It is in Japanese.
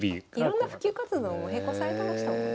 いろんな普及活動も並行されてましたもんね。